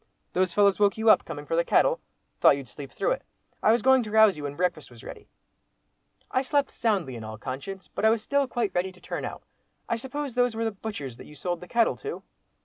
"Those fellows woke you up, coming for the cattle? Thought you'd sleep through it. I was going to rouse you when breakfast was ready." "I slept soundly in all conscience, but still I was quite ready to turn out. I suppose those were the butchers that you sold the cattle to?"